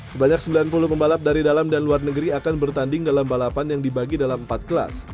sebanyak sembilan puluh pembalap dari dalam dan luar negeri akan bertanding dalam balapan yang dibagi dalam empat kelas